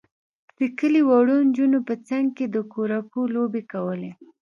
د کلي وړو نجونو به څنګ کې د کورکو لوبې کولې.